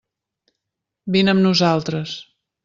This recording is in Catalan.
Vine amb nosaltres.